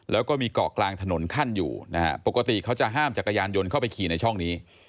แล้วก็มีเกาะกลางถนนขั้นอยู่นะฮะปกติเขาจะห้ามจักรยานยนต์เข้าไปขี่ในช่องนี้